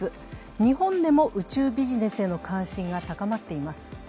日本でも宇宙ビジネスへの関心が高まっています。